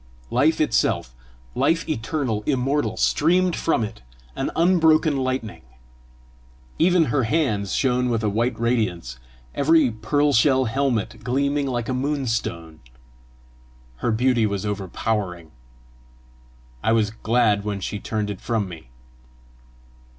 Life itself, life eternal, immortal, streamed from it, an unbroken lightning. Even her hands shone with a white radiance, every "pearl shell helmet" gleaming like a moonstone. Her beauty was overpowering; I was glad when she turned it from me.